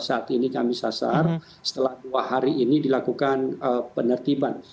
saat ini kami sasar setelah dua hari ini dilakukan penertiban